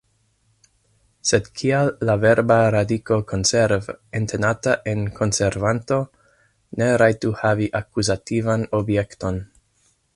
Sed kial la verba radiko konserv, entenata en konservanto, ne rajtu havi akuzativan objekton?